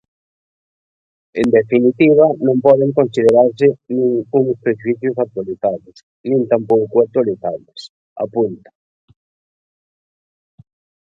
"En definitiva non poden considerarse nin uns prexuízos actualizados, nin tampouco, actualizables", apunta.